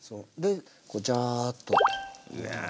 こうジャーッと。